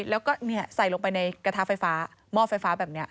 แล้วก็ใส่ลงไปในกระทะไฟฟ้าหม้อไฟฟ้าแบบนี้